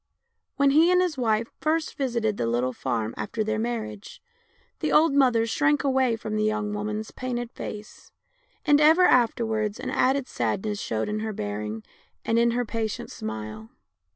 When he and his wife first visited the little farm after their marriage the old mother shrank away from the young woman's painted face, and ever afterwards an added sadness showed in her bearing and in her pa tient smile.